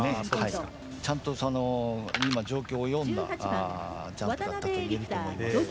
ちゃんと今、状況を読んだジャンプだったといえると思います。